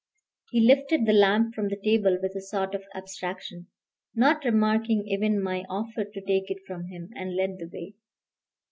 He lifted the lamp from the table with a sort of abstraction, not remarking even my offer to take it from him, and led the way.